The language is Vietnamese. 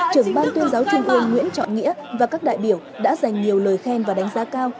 trưởng ban tuyên giáo trung ương nguyễn trọng nghĩa và các đại biểu đã dành nhiều lời khen và đánh giá cao